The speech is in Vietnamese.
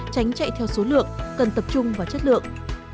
tránh chạy theo số lượng cần tập trung vào chất lượng